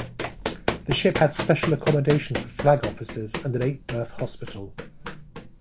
The ship had special accommodation for flag officers and an eight-berth hospital.